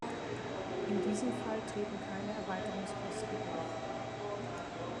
In diesem Fall treten keine Erweiterungskosten auf.